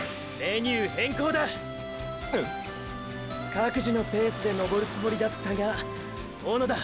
各自のペースで登るつもりだったが小野田！